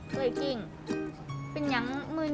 เกรง